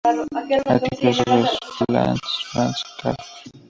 Artículo sobre Franz Kafka.